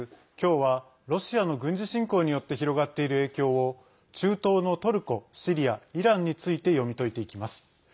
きょうはロシアの軍事侵攻によって広がっている影響を中東のトルコ、シリア、イランについて読み解いていきます。